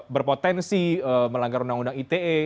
berpotensi melanggar undang undang ite